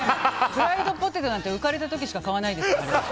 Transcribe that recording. フライドポテトなんて浮かれた時しか買わないです。